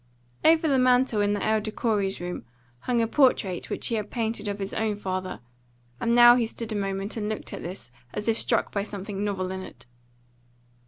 Over the mantel in the elder Corey's room hung a portrait which he had painted of his own father, and now he stood a moment and looked at this as if struck by something novel in it.